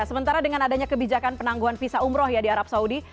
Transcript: sementara dengan adanya kebijakan penangguhan visa umroh ya di arab saudi